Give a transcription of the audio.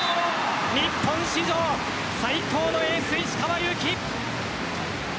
日本史上最高のエース、石川祐希。